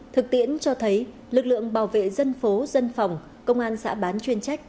thực tiễn cho thấy lực lượng bảo vệ dân phố dân phòng công an xã bán chuyên trách